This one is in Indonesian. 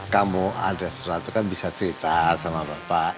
kamu ada sesuatu kan bisa cerita sama bapak